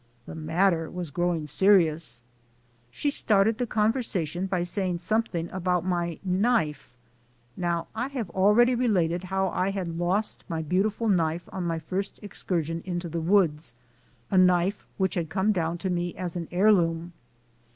The matter was growing serious ! She started the conversation by saying something about my knife. Now I have already related how I had lost my beauti ful knife on my first excursion into the woods, a knife which had come down to me as a heirloom.